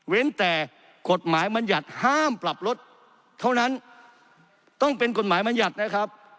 แต่กฎหมายบรรยัติห้ามปรับลดเท่านั้นต้องเป็นกฎหมายมัญญัตินะครับ